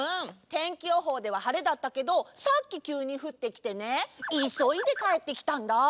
てんきよほうでははれだったけどさっききゅうにふってきてねいそいでかえってきたんだ。